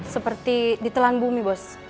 seperti ditelan bumi boss